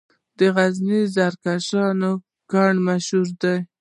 د غزني د زرکشان کان مشهور دی